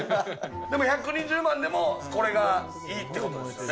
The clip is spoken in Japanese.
１２０万でもこれがいいってことですね。